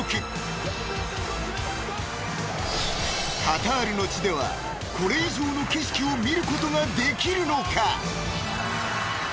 ［カタールの地ではこれ以上の景色を見ることができるのか］